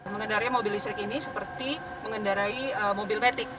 mengendarai mobil listrik ini seperti mengendarai mobil metik